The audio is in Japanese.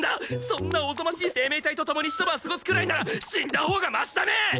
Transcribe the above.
そんなおぞましい生命体とともにひと晩過ごすくらいなら死んだほうがマシだね！